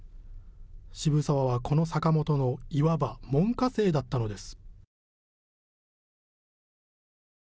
渋沢はこの坂本のいわば門下生だったのです。